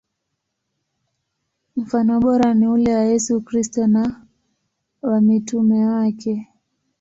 Mfano bora ni ule wa Yesu Kristo na wa mitume wake.